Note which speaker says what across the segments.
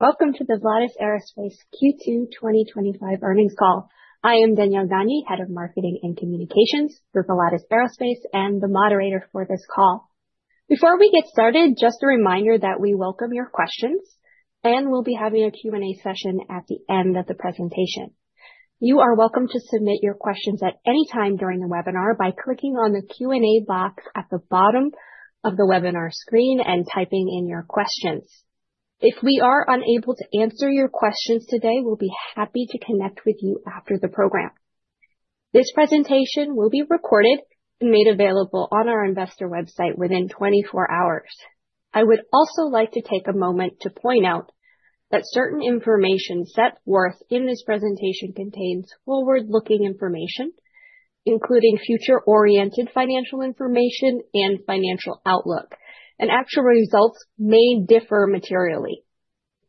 Speaker 1: Welcome to the Volatus Aerospace Q2 2025 Earnings Call. I am Danielle Gandy, Head of Marketing and Communications for Volatus Aerospace and the moderator for this call. Before we get started, just a reminder that we welcome your questions, and we'll be having a Q&A session at the end of the presentation. You are welcome to submit your questions at any time during the webinar by clicking on the Q&A box at the bottom of the webinar screen and typing in your questions. If we are unable to answer your questions today, we'll be happy to connect with you after the program. This presentation will be recorded and made available on our Investor website within 24 hours. I would also like to take a moment to point out that certain information set forth in this presentation contains forward-looking information, including future-oriented financial information and financial outlook, and actual results may differ materially.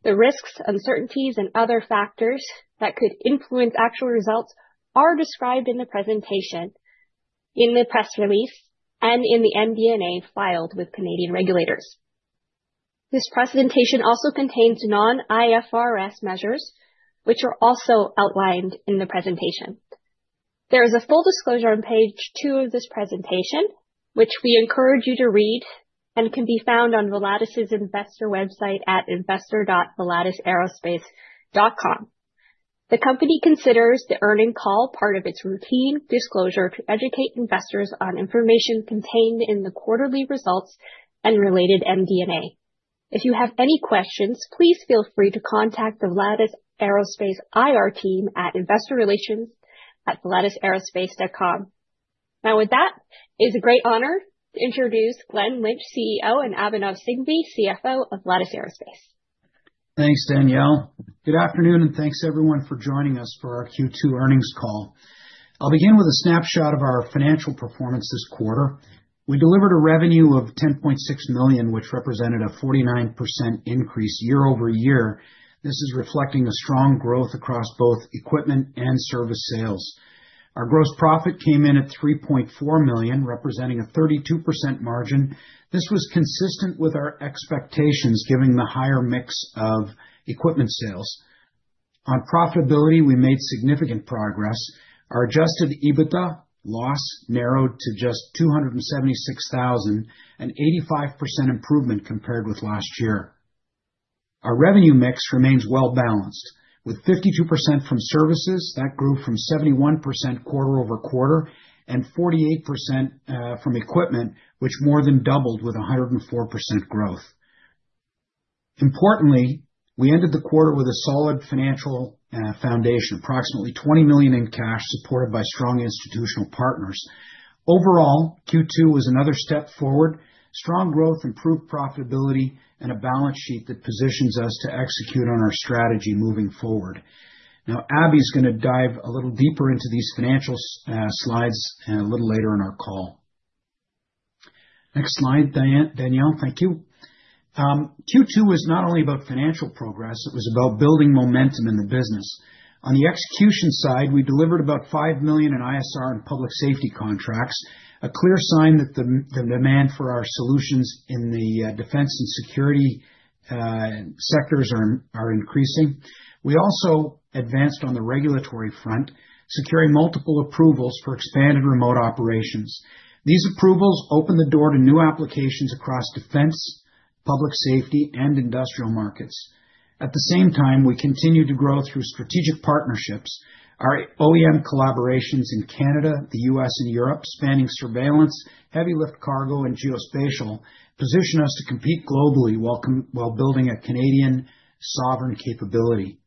Speaker 1: The risks, uncertainties, and other factors that could influence actual results are described in the presentation, in the press release, and in the MD&A filed with Canadian regulators. This presentation also contains non-IFRS measures, which are also outlined in the presentation. There is a full disclosure on page two of this presentation, which we encourage you to read and can be found on Volatus's Investor website at investor.volatusaerospace.com. The company considers the earnings call part of its routine disclosure to educate investors on information contained in the quarterly results and related MD&A. If you have any questions, please feel free to contact the Volatus Aerospace IR team at investorrelations@volatusaerospace.com. Now, with that, it is a great honor to introduce Glenn Lynch, CEO, and Abhinav Singhvi, CFO of Volatus Aerospace.
Speaker 2: Thanks, Danielle. Good afternoon, and thanks everyone for joining us for our Q2 Earnings Call. I'll begin with a snapshot of our financial performance this quarter. We delivered a revenue of $10.6 million, which represented a 49% increase year over year. This is reflecting a strong growth across both equipment and service sales. Our gross profit came in at $3.4 million, representing a 32% margin. This was consistent with our expectations, given the higher mix of equipment sales. On profitability, we made significant progress. Our adjusted EBITDA loss narrowed to just $276,000, an 85% improvement compared with last year. Our revenue mix remains well-balanced, with 52% from services that grew from 71% quarter over quarter and 48% from equipment, which more than doubled with 104% growth. Importantly, we ended the quarter with a solid financial foundation, approximately $20 million in cash, supported by strong institutional partners. Overall, Q2 was another step forward. Strong growth, improved profitability, and a balance sheet that positions us to execute on our strategy moving forward. Now, Abby is going to dive a little deeper into these financial slides a little later in our call. Next slide, Danielle. Thank you. Q2 was not only about financial progress. It was about building momentum in the business. On the execution side, we delivered about $5 million in ISR and public safety contracts, a clear sign that the demand for our solutions in the defense and security sectors is increasing. We also advanced on the regulatory front, securing multiple approvals for expanded remote operations. These approvals opened the door to new applications across defense, public safety, and industrial markets. At the same time, we continue to grow through strategic partnerships. Our OEM collaborations in Canada, the U.S., and Europe, spanning surveillance, heavy-lift cargo, and geospatial, position us to compete globally while building a Canadian sovereign capability.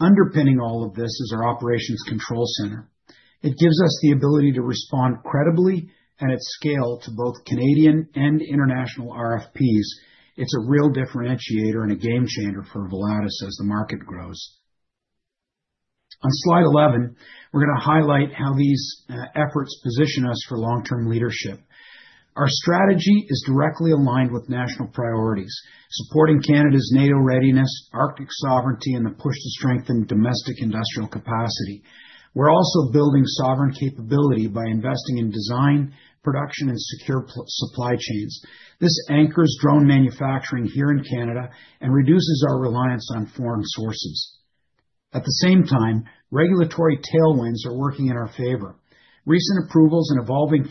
Speaker 2: Underpinning all of this is our Operations Control Center. It gives us the ability to respond credibly and at scale to both Canadian and international RFPs. It's a real differentiator and a game changer for Volatus as the market grows. On slide 11, we're going to highlight how these efforts position us for long-term leadership. Our strategy is directly aligned with national priorities, supporting Canada's NATO readiness, Arctic sovereignty, and the push to strengthen domestic industrial capacity. We're also building sovereign capability by investing in design, production, and secure supply chains. This anchors drone manufacturing here in Canada and reduces our reliance on foreign sources. At the same time, regulatory tailwinds are working in our favor. Recent approvals and evolving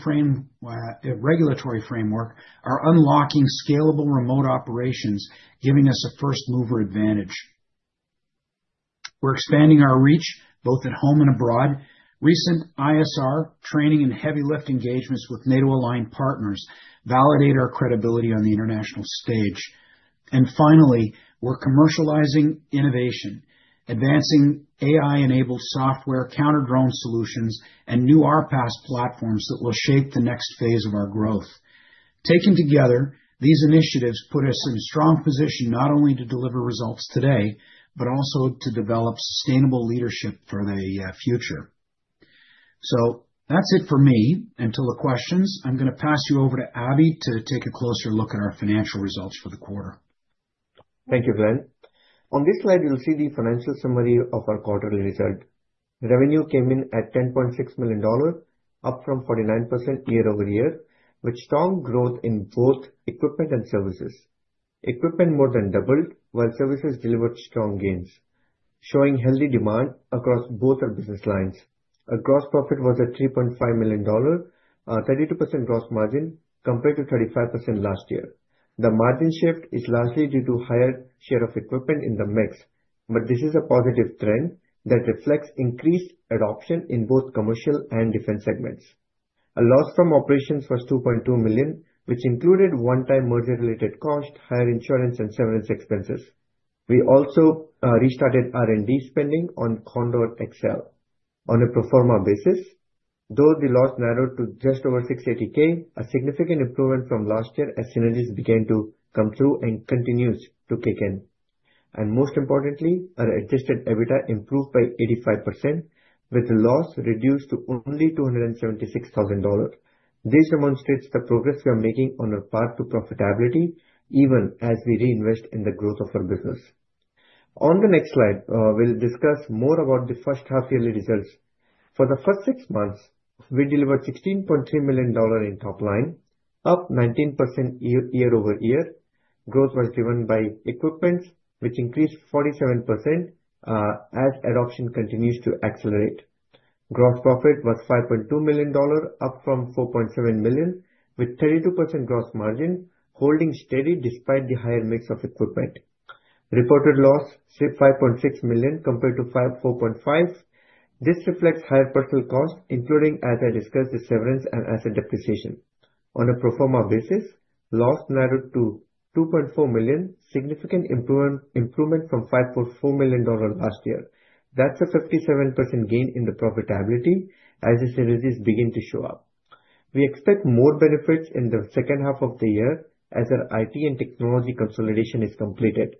Speaker 2: regulatory framework are unlocking scalable remote operations, giving us a first-mover advantage. We're expanding our reach, both at home and abroad. Recent ISR training and heavy-lift engagements with NATO-aligned partners validate our credibility on the international stage. And finally, we're commercializing innovation, advancing AI-enabled software, counter-drone solutions, and new RPAS platforms that will shape the next phase of our growth. Taken together, these initiatives put us in a strong position not only to deliver results today, but also to develop sustainable leadership for the future. So that's it for me. Until the questions, I'm going to pass you over to Abby to take a closer look at our financial results for the quarter.
Speaker 3: Thank you, Glenn. On this slide, you'll see the financial summary of our quarterly result. Revenue came in at $10.6 million, up 49% year over year, with strong growth in both equipment and services. Equipment more than doubled, while services delivered strong gains, showing healthy demand across both our business lines. Gross was at $3.5 million, a 32% gross margin compared to 35% last year. The margin shift is largely due to a higher share of equipment in the mix, but this is a positive trend that reflects increased adoption in both commercial and defense segments. A loss from operations was $2.2 million, which included one-time merger-related costs, higher insurance, and severance expenses. We also restarted R&D spending on Condor XL on a pro forma basis. Though the loss narrowed to just over $680,000, a significant improvement from last year as synergies began to come through and continue to kick in, and most importantly, our Adjusted EBITDA improved by 85%, with the loss reduced to only $276,000. This demonstrates the progress we are making on our path to profitability, even as we reinvest in the growth of our business. On the next slide, we'll discuss more about the first half-yearly results. For the first six months, we delivered $16.3 million in top line, up 19% year over year. Growth was driven by equipment, which increased 47% as adoption continues to accelerate. Gross profit was $5.2 million, up from $4.7 million, with 32% gross margin holding steady despite the higher mix of equipment. Reported loss is $5.6 million compared to $4.5 million. This reflects higher personnel costs, including, as I discussed, the severance and asset depreciation. On a pro forma basis, loss narrowed to $2.4 million, a significant improvement from $5.4 million last year. That's a 57% gain in the profitability as the synergies begin to show up. We expect more benefits in the second half of the year as our IT and technology consolidation is completed.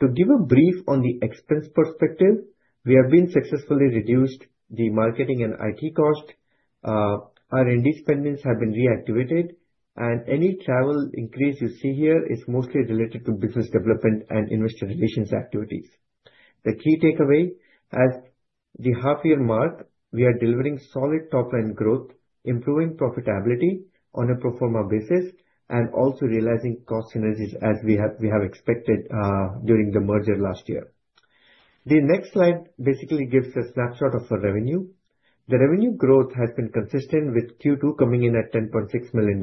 Speaker 3: To give a brief on the expense perspective, we have successfully reduced the marketing and IT costs. R&D spending has been reactivated, and any travel increase you see here is mostly related to business development and investor relations activities. The key takeaway: at the half-year mark, we are delivering solid top-line growth, improving profitability on a pro forma basis, and also realizing cost synergies as we have expected during the merger last year. The next slide basically gives a snapshot of our revenue. The revenue growth has been consistent with Q2 coming in at $10.6 million.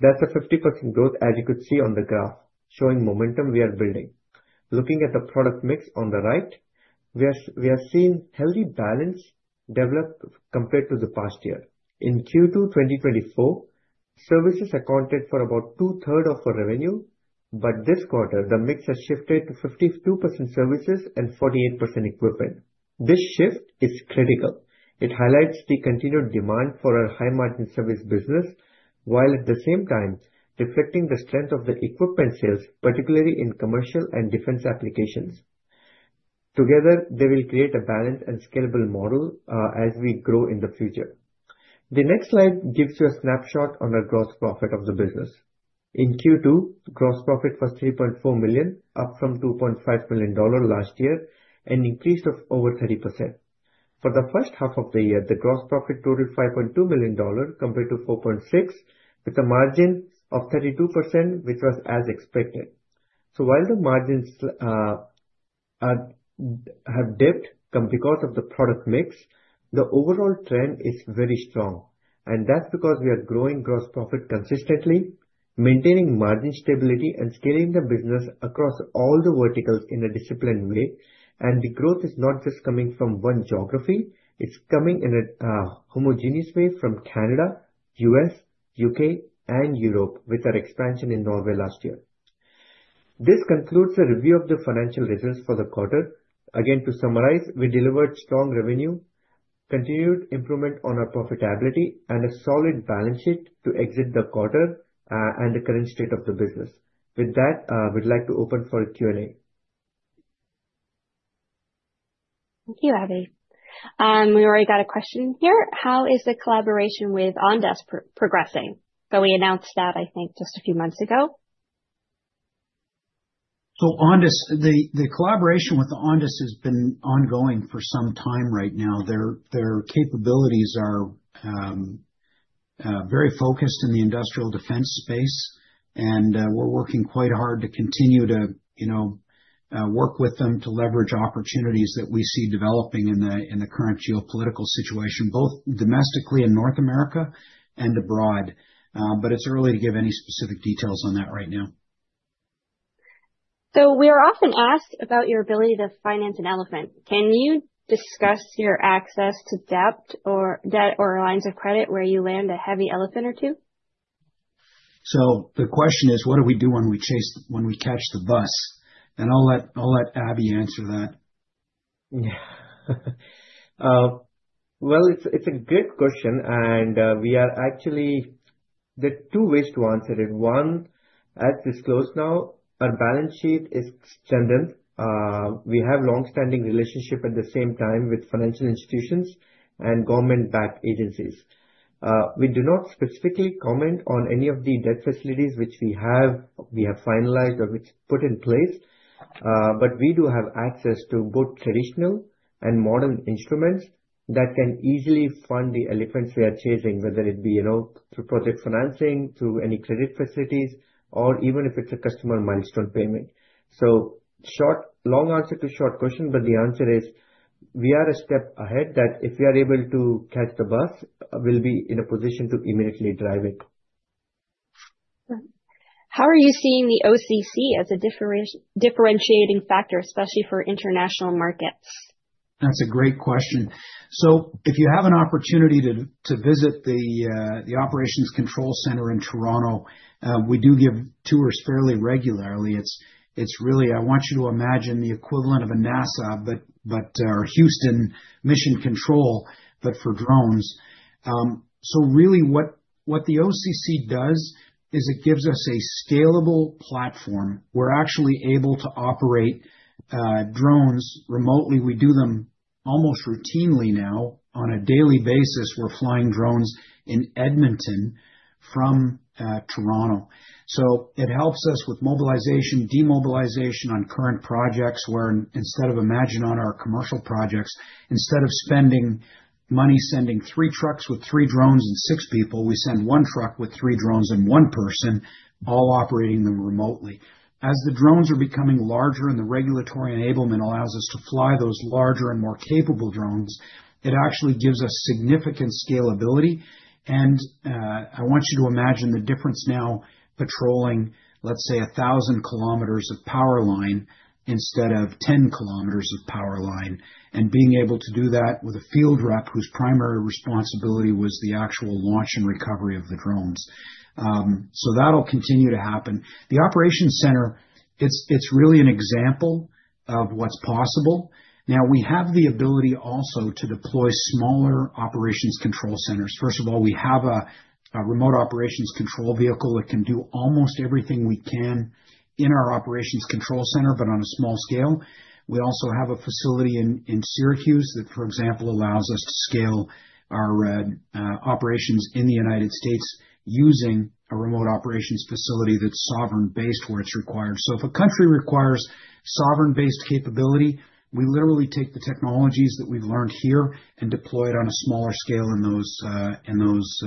Speaker 3: That's a 50% growth, as you could see on the graph, showing momentum we are building. Looking at the product mix on the right, we have seen healthy balance develop compared to the past year. In Q2 2024, services accounted for about two-thirds of our revenue, but this quarter, the mix has shifted to 52% services and 48% equipment. This shift is critical. It highlights the continued demand for our high-margin service business, while at the same time reflecting the strength of the equipment sales, particularly in commercial and defense applications. Together, they will create a balanced and scalable model as we grow in the future. The next slide gives you a snapshot on our gross profit of the business. In Q2, gross profit was $3.4 million, up from $2.5 million last year, an increase of over 30%. For the first half of the year, the gross profit totaled $5.2 million compared to $4.6 million, with a margin of 32%, which was as expected, so while the margins have dipped because of the product mix, the overall trend is very strong, and that's because we are growing gross profit consistently, maintaining margin stability, and scaling the business across all the verticals in a disciplined way, and the growth is not just coming from one geography, it's coming in a homogeneous way from Canada, the U.S., the U.K., and Europe, with our expansion in Norway last year. This concludes the review of the financial results for the quarter. Again, to summarize, we delivered strong revenue, continued improvement on our profitability, and a solid balance sheet to exit the quarter and the current state of the business. With that, we'd like to open for a Q&A.
Speaker 1: Thank you, Abby. We already got a question here. How is the collaboration with Ondas progressing? So we announced that, I think, just a few months ago.
Speaker 2: Ondas, the collaboration with Ondas has been ongoing for some time right now. Their capabilities are very focused in the industrial defense space, and we're working quite hard to continue to work with them to leverage opportunities that we see developing in the current geopolitical situation, both domestically in North America and abroad. It's early to give any specific details on that right now.
Speaker 1: So, we are often asked about your ability to finance an elephant. Can you discuss your access to debt or lines of credit where you land a heavy elephant or two?
Speaker 2: So the question is, what do we do when we catch the bus? And I'll let Abby answer that.
Speaker 3: It's a good question. And actually, there are two ways to answer it. One, as disclosed now, our balance sheet is strong. We have long-standing relationships at the same time with financial institutions and government-backed agencies. We do not specifically comment on any of the debt facilities which we have finalized or which are put in place. But we do have access to both traditional and modern instruments that can easily fund the elephants we are chasing, whether it be through project financing, through any credit facilities, or even if it's a customer milestone payment. So long answer to short question, but the answer is we are a step ahead, in that if we are able to catch the bus, we'll be in a position to immediately drive it.
Speaker 1: How are you seeing the OCC as a differentiating factor, especially for international markets?
Speaker 2: That's a great question. So if you have an opportunity to visit the Operations Control Center in Toronto, we do give tours fairly regularly. It's really. I want you to imagine the equivalent of a NASA or Houston Mission Control, but for drones. So really, what the OCC does is it gives us a scalable platform. We're actually able to operate drones remotely. We do them almost routinely now. On a daily basis, we're flying drones in Edmonton from Toronto. So it helps us with mobilization, demobilization on current projects where, instead of, imagine on our commercial projects, instead of spending money sending three trucks with three drones and six people, we send one truck with three drones and one person, all operating them remotely. As the drones are becoming larger and the regulatory enablement allows us to fly those larger and more capable drones, it actually gives us significant scalability. And I want you to imagine the difference now patrolling, let's say, 1,000 km of power line instead of 10 km of power line, and being able to do that with a field rep whose primary responsibility was the actual launch and recovery of the drones. So that'll continue to happen. The Operations Center, it's really an example of what's possible. Now, we have the ability also to deploy smaller Operations Control Centers. First of all, we have a remote operations control vehicle that can do almost everything we can in our Operations Control Center, but on a small scale. We also have a facility in Syracuse that, for example, allows us to scale our operations in the United States using a remote operations facility that's sovereign-based where it's required. So if a country requires sovereign-based capability, we literally take the technologies that we've learned here and deploy it on a smaller scale in those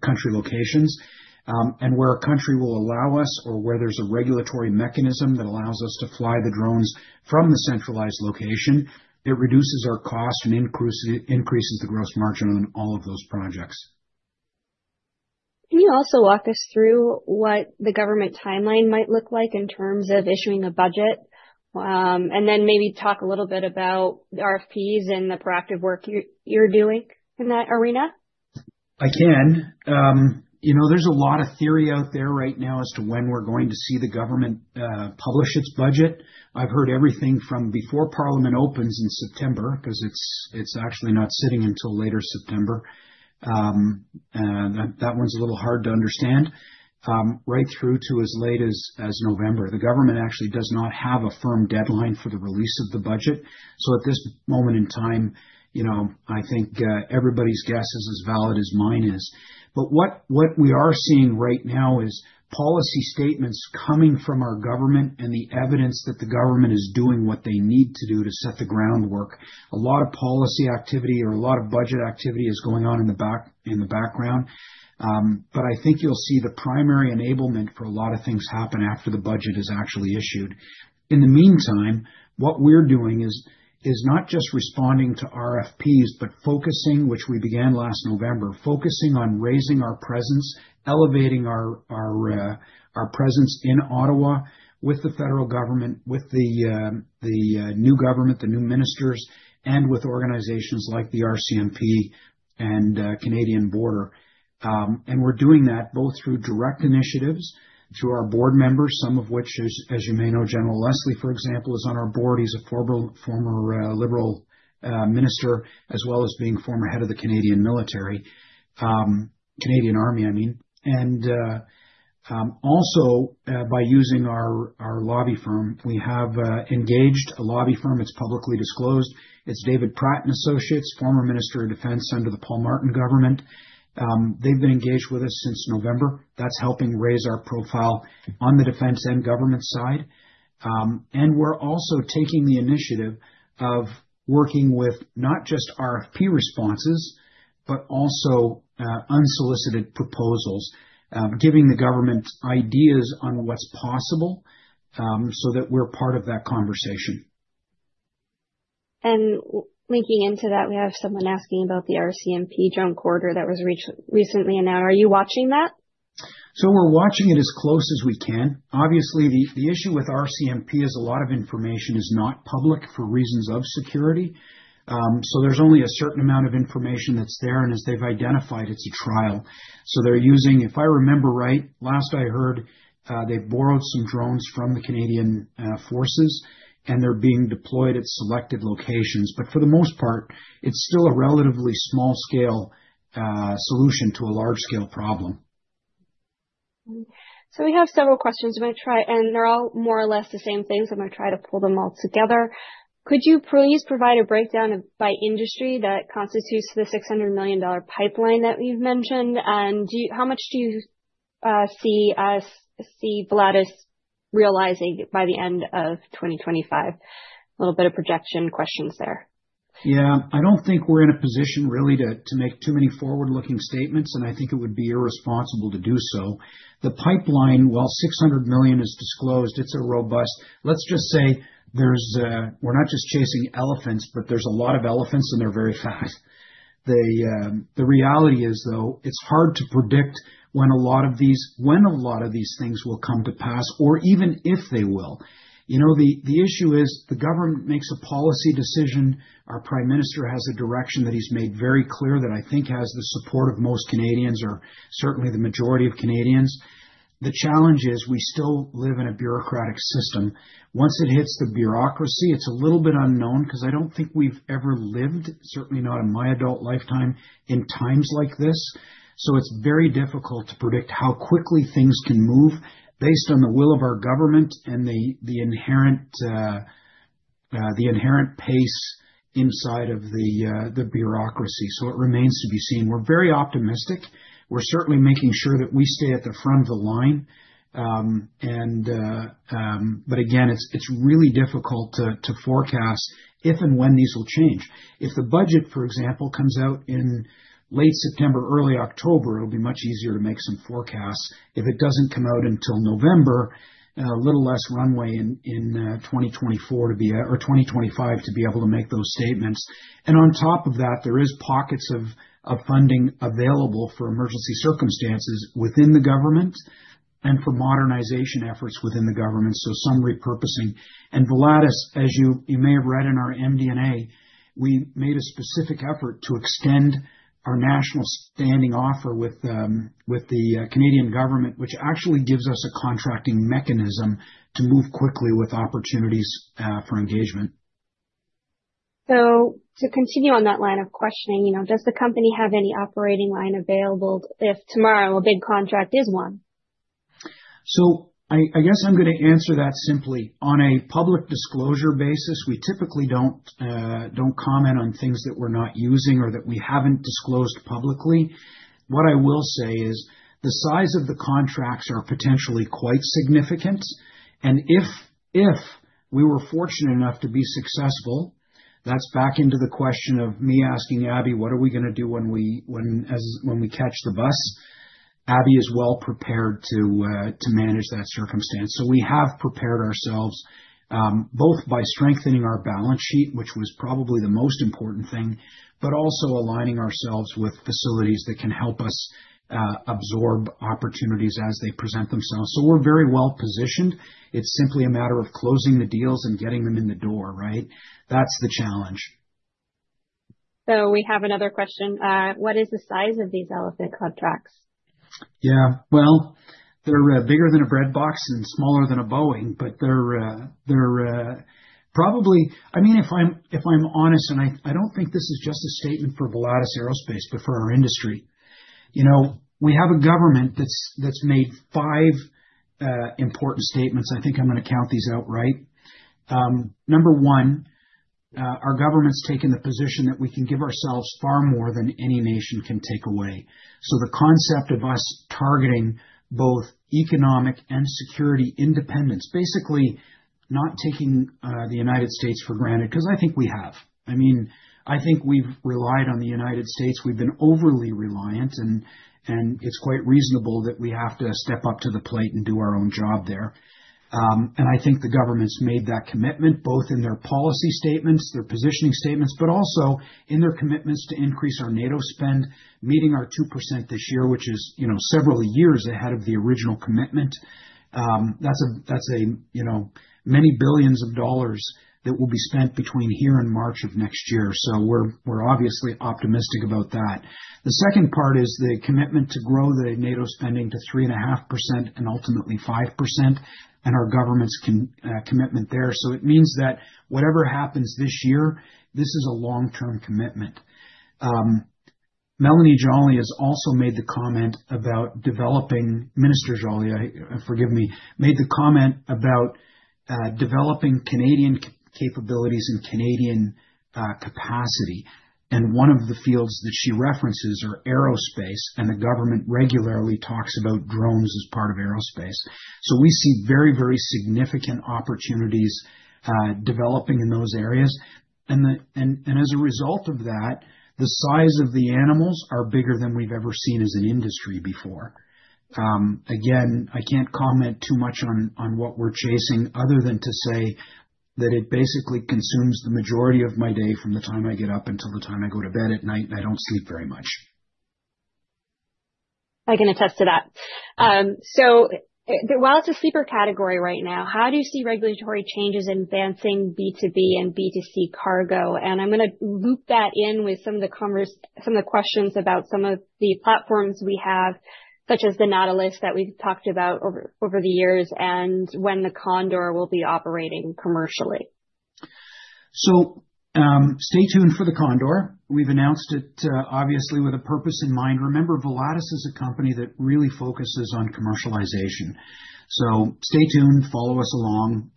Speaker 2: country locations. And where a country will allow us or where there's a regulatory mechanism that allows us to fly the drones from the centralized location, it reduces our cost and increases the gross margin on all of those projects.
Speaker 1: Can you also walk us through what the government timeline might look like in terms of issuing a budget? And then maybe talk a little bit about the RFPs and the proactive work you're doing in that arena?
Speaker 2: I can. There's a lot of theory out there right now as to when we're going to see the government publish its budget. I've heard everything from before Parliament opens in September because it's actually not sitting until later September. That one's a little hard to understand, right through to as late as November. The government actually does not have a firm deadline for the release of the budget. So at this moment in time, I think everybody's guess is as valid as mine is. But what we are seeing right now is policy statements coming from our government and the evidence that the government is doing what they need to do to set the groundwork. A lot of policy activity or a lot of budget activity is going on in the background. But I think you'll see the primary enablement for a lot of things happen after the budget is actually issued. In the meantime, what we're doing is not just responding to RFPs, but focusing, which we began last November, focusing on raising our presence, elevating our presence in Ottawa with the federal government, with the new government, the new ministers, and with organizations like the RCMP and Canadian Border. And we're doing that both through direct initiatives through our board members, some of which, as you may know, General Leslie, for example, is on our board. He's a former liberal minister, as well as being former head of the Canadian Army, I mean. And also, by using our lobby firm, we have engaged a lobby firm. It's publicly disclosed. It's David Pratt & Associates, former Minister of Defense under the Paul Martin government. They've been engaged with us since November. That's helping raise our profile on the defense and government side. And we're also taking the initiative of working with not just RFP responses, but also unsolicited proposals, giving the government ideas on what's possible so that we're part of that conversation.
Speaker 1: Linking into that, we have someone asking about the RCMP zone commander that was recently announced. Are you watching that?
Speaker 2: So we're watching it as close as we can. Obviously, the issue with RCMP is a lot of information is not public for reasons of security. So there's only a certain amount of information that's there. And as they've identified, it's a trial. So they're using, if I remember right, last I heard, they've borrowed some drones from the Canadian forces, and they're being deployed at selected locations. But for the most part, it's still a relatively small-scale solution to a large-scale problem.
Speaker 1: We have several questions. I'm going to try, and they're all more or less the same things. I'm going to try to pull them all together. Could you please provide a breakdown by industry that constitutes the $600 million pipeline that we've mentioned? And how much do you see Volatus realizing by the end of 2025? A little bit of projection questions there.
Speaker 2: Yeah. I don't think we're in a position really to make too many forward-looking statements, and I think it would be irresponsible to do so. The pipeline, while $600 million is disclosed, it's robust. Let's just say we're not just chasing elephants, but there's a lot of elephants, and they're very fast. The reality is, though, it's hard to predict when a lot of these things will come to pass or even if they will. The issue is the government makes a policy decision. Our Prime Minister has a direction that he's made very clear that I think has the support of most Canadians or certainly the majority of Canadians. The challenge is we still live in a bureaucratic system. Once it hits the bureaucracy, it's a little bit unknown because I don't think we've ever lived, certainly not in my adult lifetime, in times like this. So it's very difficult to predict how quickly things can move based on the will of our government and the inherent pace inside of the bureaucracy. So it remains to be seen. We're very optimistic. We're certainly making sure that we stay at the front of the line. But again, it's really difficult to forecast if and when these will change. If the budget, for example, comes out in late September, early October, it'll be much easier to make some forecasts. If it doesn't come out until November, a little less runway in 2024 or 2025 to be able to make those statements. And on top of that, there are pockets of funding available for emergency circumstances within the government and for modernization efforts within the government, so some repurposing. Volatus, as you may have read in our MD&A, we made a specific effort to extend our national standing offer with the Canadian government, which actually gives us a contracting mechanism to move quickly with opportunities for engagement.
Speaker 1: So to continue on that line of questioning, does the company have any operating line available if tomorrow a big contract is won?
Speaker 2: I guess I'm going to answer that simply. On a public disclosure basis, we typically don't comment on things that we're not using or that we haven't disclosed publicly. What I will say is the size of the contracts are potentially quite significant. If we were fortunate enough to be successful, that's back into the question of me asking Abby, what are we going to do when we catch the bus? Abby is well prepared to manage that circumstance. We have prepared ourselves both by strengthening our balance sheet, which was probably the most important thing, but also aligning ourselves with facilities that can help us absorb opportunities as they present themselves. We're very well positioned. It's simply a matter of closing the deals and getting them in the door, right? That's the challenge.
Speaker 1: We have another question. What is the size of these elephant contracts?
Speaker 2: Yeah. Well, they're bigger than a breadbox and smaller than a Boeing, but they're probably, I mean, if I'm honest, and I don't think this is just a statement for Volatus Aerospace, but for our industry. We have a government that's made five important statements. I think I'm going to count these out, right? Number one, our government's taken the position that we can give ourselves far more than any nation can take away. So the concept of us targeting both economic and security independence, basically not taking the United States for granted because I think we have. I mean, I think we've relied on the United States. We've been overly reliant, and it's quite reasonable that we have to step up to the plate and do our own job there. I think the government's made that commitment both in their policy statements, their positioning statements, but also in their commitments to increase our NATO spend, meeting our 2% this year, which is several years ahead of the original commitment. That's many billions of dollars that will be spent between here and March of next year. So we're obviously optimistic about that. The second part is the commitment to grow the NATO spending to 3.5% and ultimately 5% and our government's commitment there. So it means that whatever happens this year, this is a long-term commitment. Mélanie Joly has also made the comment. Minister Joly, forgive me, made the comment about developing Canadian capabilities and Canadian capacity. And one of the fields that she references is aerospace, and the government regularly talks about drones as part of aerospace. So we see very, very significant opportunities developing in those areas. And as a result of that, the size of the animals are bigger than we've ever seen as an industry before. Again, I can't comment too much on what we're chasing other than to say that it basically consumes the majority of my day from the time I get up until the time I go to bed at night, and I don't sleep very much.
Speaker 1: I can attest to that. So while it's a sleeper category right now, how do you see regulatory changes advancing B2B and B2C cargo? And I'm going to loop that in with some of the questions about some of the platforms we have, such as the Nautilus that we've talked about over the years and when the Condor will be operating commercially.
Speaker 2: So stay tuned for the Condor. We've announced it, obviously, with a purpose in mind. Remember, Volatus is a company that really focuses on commercialization. So stay tuned, follow us along.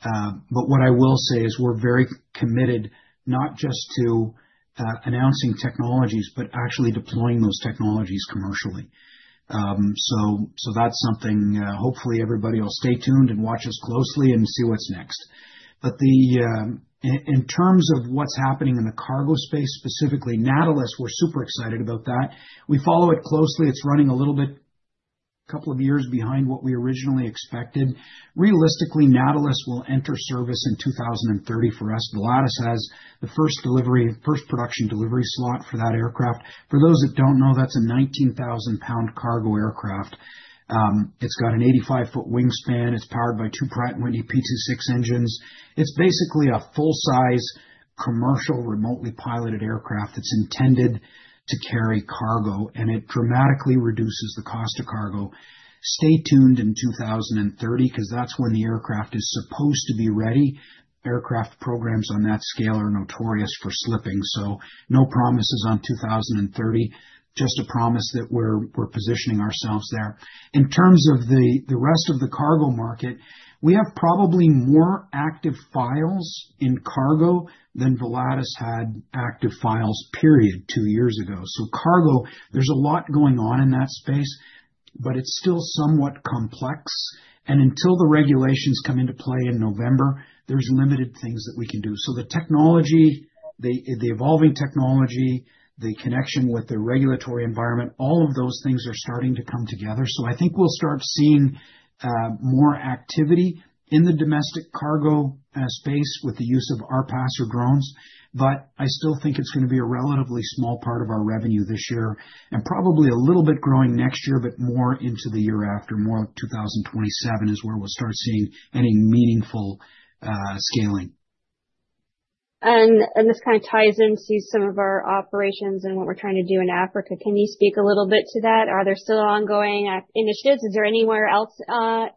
Speaker 2: But what I will say is we're very committed not just to announcing technologies, but actually deploying those technologies commercially. So that's something hopefully everybody will stay tuned and watch us closely and see what's next. But in terms of what's happening in the cargo space, specifically Natilus, we're super excited about that. We follow it closely. It's running a little bit a couple of years behind what we originally expected. Realistically, Natilus will enter service in 2030 for us. Volatus has the first production delivery slot for that aircraft. For those that don't know, that's a 19,000 lbs cargo aircraft. It's got an 85 ft wingspan. It's powered by two Pratt & Whitney P26 engines. It's basically a full-size commercial remotely piloted aircraft that's intended to carry cargo, and it dramatically reduces the cost of cargo. Stay tuned in 2030 because that's when the aircraft is supposed to be ready. Aircraft programs on that scale are notorious for slipping. So no promises on 2030, just a promise that we're positioning ourselves there. In terms of the rest of the cargo market, we have probably more active files in cargo than Volatus had active files, period, two years ago. So cargo, there's a lot going on in that space, but it's still somewhat complex. And until the regulations come into play in November, there's limited things that we can do. So the technology, the evolving technology, the connection with the regulatory environment, all of those things are starting to come together. I think we'll start seeing more activity in the domestic cargo space with the use of our Canary drones. But I still think it's going to be a relatively small part of our revenue this year and probably a little bit growing next year, but more into the year after. More 2027 is where we'll start seeing any meaningful scaling.
Speaker 1: And this kind of ties into some of our operations and what we're trying to do in Africa. Can you speak a little bit to that? Are there still ongoing initiatives? Is there anywhere else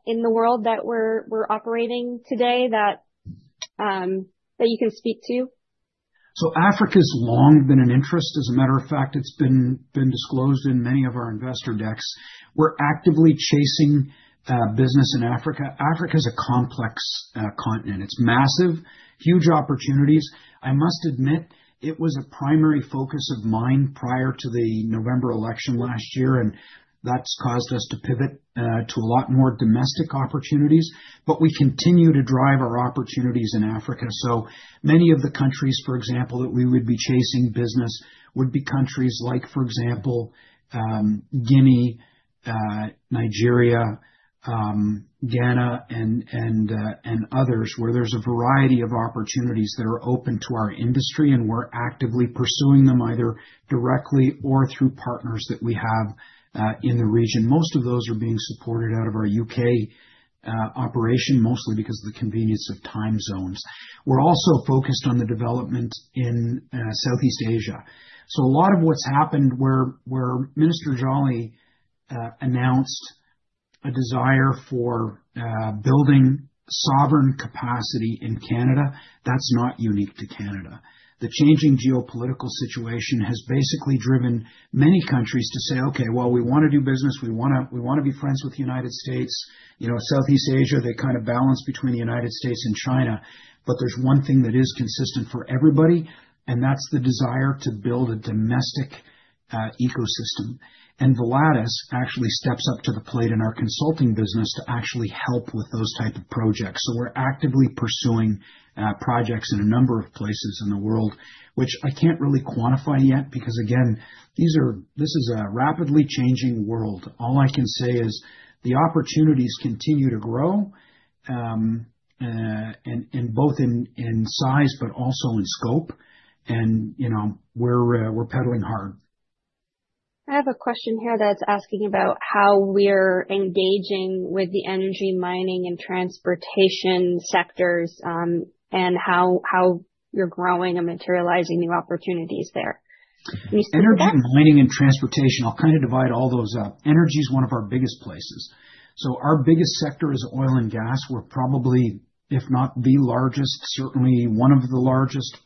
Speaker 1: in the world that we're operating today that you can speak to?
Speaker 2: So Africa's long been an interest. As a matter of fact, it's been disclosed in many of our investor decks. We're actively chasing business in Africa. Africa is a complex continent. It's massive, huge opportunities. I must admit, it was a primary focus of mine prior to the November election last year, and that's caused us to pivot to a lot more domestic opportunities. But we continue to drive our opportunities in Africa. So many of the countries, for example, that we would be chasing business would be countries like, for example, Guinea, Nigeria, Ghana, and others where there's a variety of opportunities that are open to our industry, and we're actively pursuing them either directly or through partners that we have in the region. Most of those are being supported out of our U.K. operation, mostly because of the convenience of time zones. We're also focused on the development in Southeast Asia. So a lot of what's happened where Minister Joly announced a desire for building sovereign capacity in Canada, that's not unique to Canada. The changing geopolitical situation has basically driven many countries to say, "Okay, well, we want to do business. We want to be friends with the United States." Southeast Asia, they kind of balance between the United States and China. But there's one thing that is consistent for everybody, and that's the desire to build a domestic ecosystem. And Volatus actually steps up to the plate in our consulting business to actually help with those types of projects. So we're actively pursuing projects in a number of places in the world, which I can't really quantify yet because, again, this is a rapidly changing world. All I can say is the opportunities continue to grow both in size, but also in scope. And we're pedaling hard.
Speaker 1: I have a question here that's asking about how we're engaging with the energy, mining, and transportation sectors and how you're growing and materializing new opportunities there.
Speaker 2: Energy, mining, and transportation. I'll kind of divide all those up. Energy is one of our biggest places. So our biggest sector is oil and gas. We're probably, if not the largest, certainly one of the largest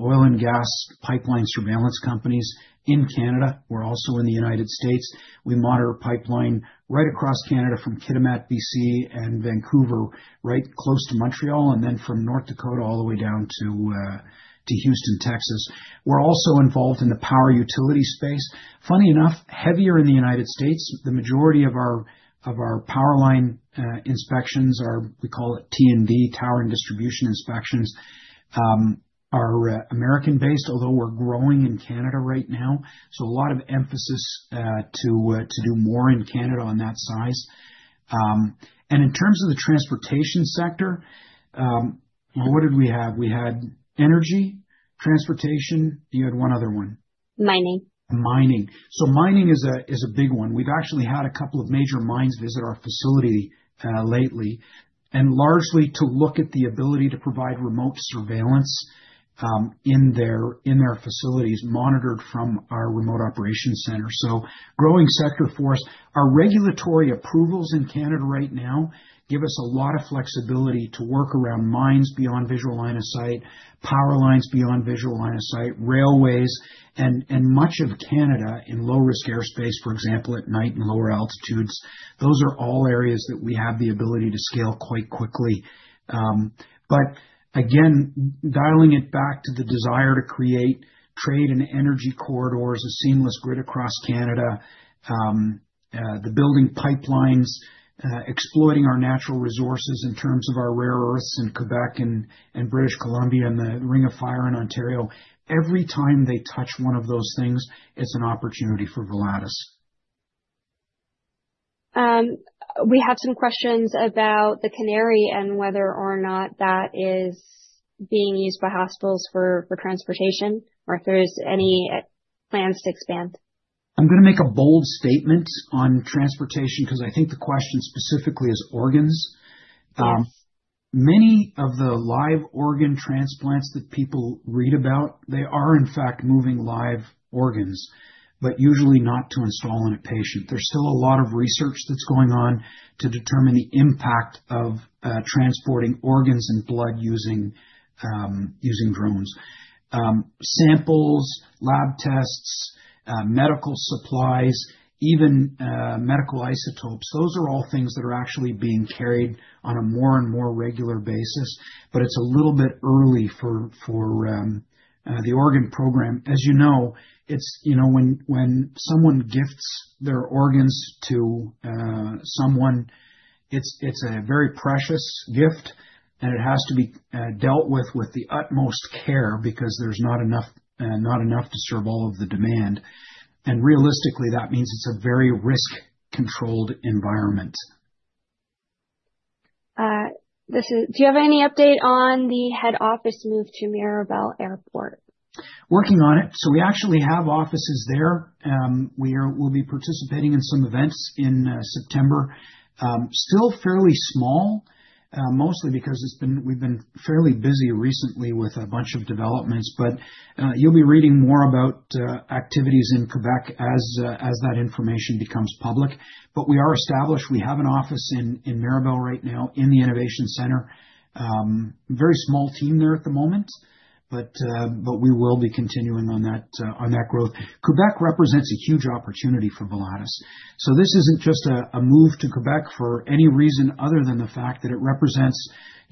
Speaker 2: oil and gas pipeline surveillance companies in Canada. We're also in the United States. We monitor pipeline right across Canada from Kitimat, BC, and Vancouver, right close to Montreal, and then from North Dakota all the way down to Houston, Texas. We're also involved in the power utility space. Funny enough, heavier in the United States, the majority of our power line inspections are. We call it T&D, tower and distribution inspections, are American-based, although we're growing in Canada right now. So a lot of emphasis to do more in Canada on that size. And in terms of the transportation sector, what did we have? We had energy, transportation. You had one other one.
Speaker 1: Mining.
Speaker 2: Mining. So, mining is a big one. We've actually had a couple of major mines visit our facility lately, and largely to look at the ability to provide remote surveillance in their facilities monitored from our remote operation center. So, growing sector for us. Our regulatory approvals in Canada right now give us a lot of flexibility to work around mines beyond visual line of sight, power lines beyond visual line of sight, railways, and much of Canada in low-risk airspace, for example, at night and lower altitudes. Those are all areas that we have the ability to scale quite quickly. But again, dialing it back to the desire to create trade and energy corridors, a seamless grid across Canada, the building pipelines, exploiting our natural resources in terms of our rare earths in Quebec and British Columbia and the Ring of Fire in Ontario. Every time they touch one of those things, it's an opportunity for Volatus.
Speaker 1: We have some questions about the Canary and whether or not that is being used by hospitals for transportation, or if there's any plans to expand.
Speaker 2: I'm going to make a bold statement on transportation because I think the question specifically is organs. Many of the live organ transplants that people read about, they are in fact moving live organs, but usually not to install in a patient. There's still a lot of research that's going on to determine the impact of transporting organs and blood using drones. Samples, lab tests, medical supplies, even medical isotopes, those are all things that are actually being carried on a more and more regular basis, but it's a little bit early for the organ program. As you know, when someone gifts their organs to someone, it's a very precious gift, and it has to be dealt with with the utmost care because there's not enough to serve all of the demand, and realistically, that means it's a very risk-controlled environment.
Speaker 1: Do you have any update on the head office move to Mirabel Airport?
Speaker 2: Working on it. So we actually have offices there. We will be participating in some events in September. Still fairly small, mostly because we've been fairly busy recently with a bunch of developments, but you'll be reading more about activities in Quebec as that information becomes public. But we are established. We have an office in Mirabel right now in the Innovation Center. Very small team there at the moment, but we will be continuing on that growth. Quebec represents a huge opportunity for Volatus. So this isn't just a move to Quebec for any reason other than the fact that it represents,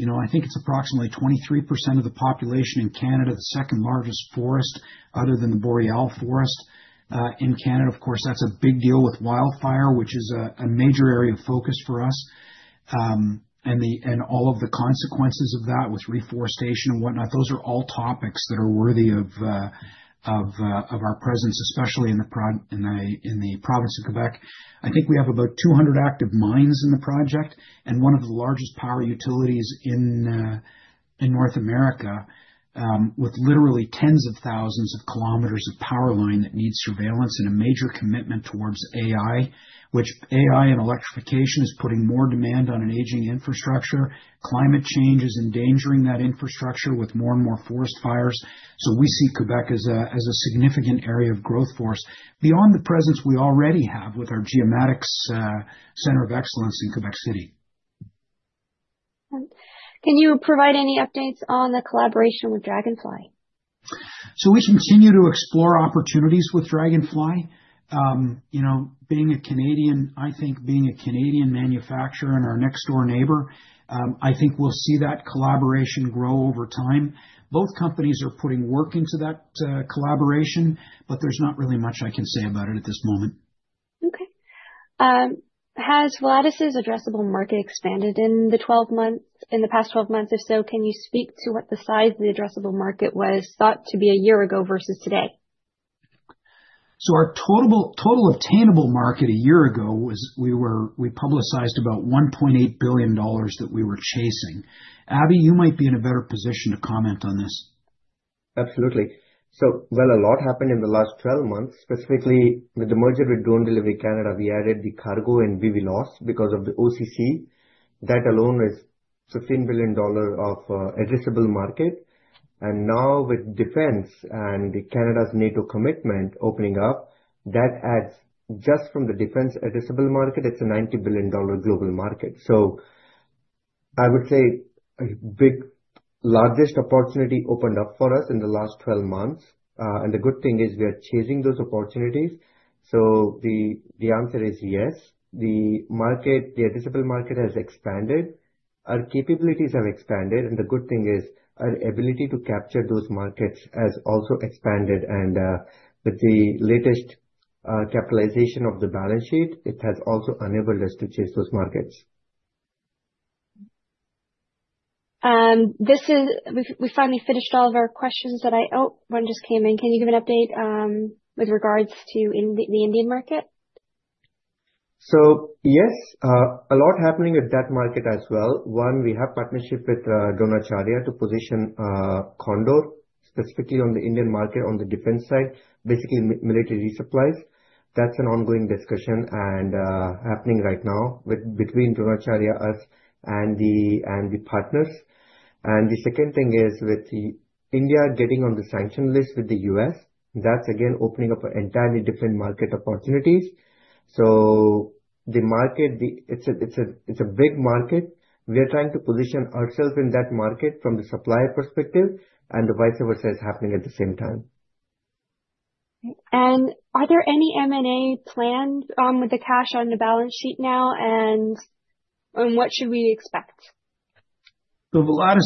Speaker 2: I think it's approximately 23% of the population in Canada, the second largest forest other than the Boreal Forest in Canada. Of course, that's a big deal with wildfire, which is a major area of focus for us. All of the consequences of that with reforestation and whatnot, those are all topics that are worthy of our presence, especially in the province of Quebec. I think we have about 200 active mines in the project and one of the largest power utilities in North America with literally tens of thousands of km of power line that needs surveillance and a major commitment towards AI, which AI and electrification is putting more demand on an aging infrastructure. Climate change is endangering that infrastructure with more and more forest fires. We see Quebec as a significant area of growth force beyond the presence we already have with our Geomatics Center of Excellence in Quebec City.
Speaker 1: Can you provide any updates on the collaboration with Dragonfly?
Speaker 2: So we continue to explore opportunities with Dragonfly. Being a Canadian, I think being a Canadian manufacturer and our next-door neighbor, I think we'll see that collaboration grow over time. Both companies are putting work into that collaboration, but there's not really much I can say about it at this moment.
Speaker 1: Okay. Has Volatus's addressable market expanded in the past 12 months? If so, can you speak to what the size of the addressable market was thought to be a year ago versus today?
Speaker 2: Our total attainable market a year ago, we publicized about $1.8 billion that we were chasing. Abby, you might be in a better position to comment on this.
Speaker 3: Absolutely. So, well, a lot happened in the last 12 months. Specifically, with the merger with Drone Delivery Canada, we added the cargo and BVLOS because of the OCC. That alone is $15 billion of addressable market. And now with defense and Canada's NATO commitment opening up, that adds just from the defense addressable market, it's a $90 billion global market. So I would say a big largest opportunity opened up for us in the last 12 months. And the good thing is we are chasing those opportunities. So the answer is yes. The addressable market has expanded. Our capabilities have expanded. And the good thing is our ability to capture those markets has also expanded. And with the latest capitalization of the balance sheet, it has also enabled us to chase those markets.
Speaker 1: We finally finished all of our questions. One just came in. Can you give an update with regards to the Indian market?
Speaker 3: So yes, a lot happening at that market as well. One, we have partnership with Dronacharya to position Condor, specifically on the Indian market on the defense side, basically military supplies. That's an ongoing discussion and happening right now between Dronacharya, us, and the partners. And the second thing is with India getting on the sanction list with the U.S., that's again opening up an entirely different market opportunities. So the market, it's a big market. We are trying to position ourselves in that market from the supplier perspective and the vice versa is happening at the same time.
Speaker 1: Are there any M&A plans with the cash on the balance sheet now? What should we expect?
Speaker 2: So Volatus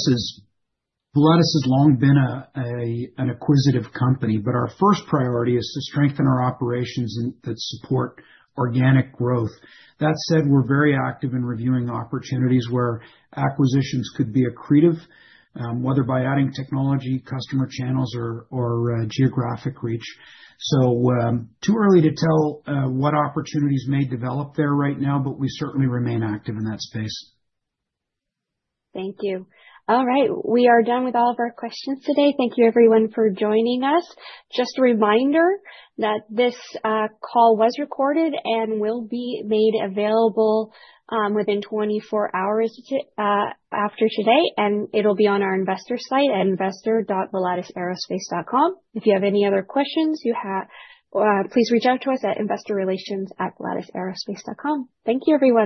Speaker 2: has long been an acquisitive company, but our first priority is to strengthen our operations that support organic growth. That said, we're very active in reviewing opportunities where acquisitions could be accretive, whether by adding technology, customer channels, or geographic reach. So too early to tell what opportunities may develop there right now, but we certainly remain active in that space.
Speaker 1: Thank you. All right. We are done with all of our questions today. Thank you, everyone, for joining us. Just a reminder that this call was recorded and will be made available within 24 hours after today, and it'll be on our investor site at investor.volatusaerospace.com. If you have any other questions, please reach out to us at investorrelations@volatusaerospace.com. Thank you, everyone.